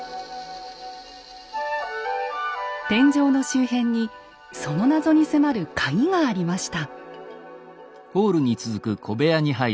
天井の周辺にその謎に迫るカギがありました。